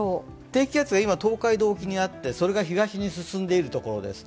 低気圧が今、東海道沖にあってそれが東に進んでいるところです。